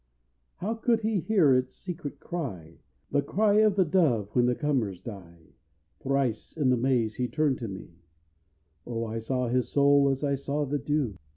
How could he hear its secret cry, The cry of the dove when the cummers die! Thrice in the maize he turned to me, _(Oh I saw his soul as I saw the dew!)